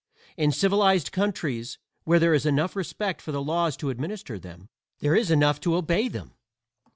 In civilized countries where there is enough respect for the laws to administer them, there is enough to obey them.